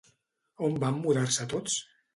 On van mudar-se tots?